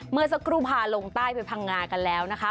เมื่อสักครู่พาลงใต้ไปพังงากันแล้วนะคะ